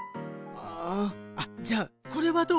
ああっじゃあこれはどう？